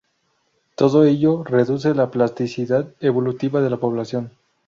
Todo ello reduce la plasticidad evolutiva de la población.